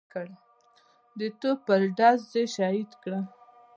د توپ پر ډز یې شهید کړ.